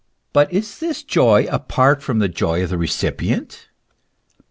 But is this joy apart from the joy of the recipient?